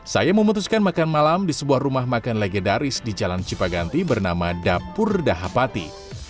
saya memutuskan makan malam di sebuah rumah makan legendaris di jalan cipaganti bernama dapur dahapati